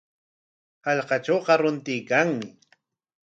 Hallqatrawqa runtuykanmi.